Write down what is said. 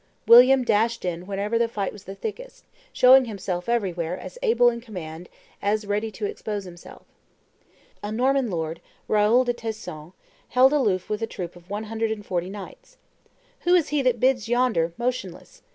William dashed in wherever the fight was thickest, showing himself everywhere as able in command as ready to expose himself. A Norman lord, Raoul de Tesson, held aloof with a troop of one hundred and forty knights. "Who is he that bides yonder motionless?"